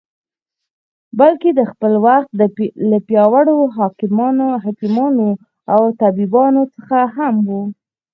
بلکې د خپل وخت له پیاوړو حکیمانو او طبیبانو څخه هم و.